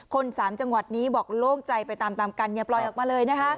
สามจังหวัดนี้บอกโล่งใจไปตามตามกันอย่าปล่อยออกมาเลยนะคะ